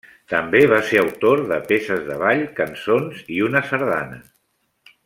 També va ser autor de peces de ball, cançons i una sardana.